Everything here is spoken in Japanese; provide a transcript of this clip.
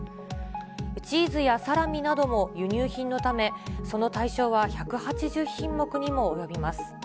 チーズやサラミなども輸入品のため、その対象は１８０品目にも及びます。